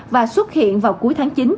và xuất hiện vào cuối tháng chín